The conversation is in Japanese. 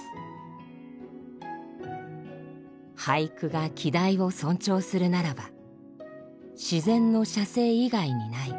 「俳句が季題を尊重するならば自然の写生以外にない。